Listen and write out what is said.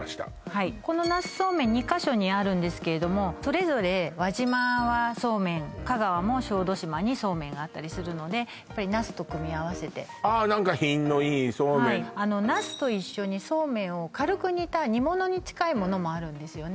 はいこのナスそうめん２カ所にあるんですけれどもそれぞれ輪島はそうめん香川も小豆島にそうめんがあったりするのでやっぱりナスと組み合わせてああ何か品のいいそうめんあのナスと一緒にそうめんを軽く煮た煮物に近いものもあるんですよね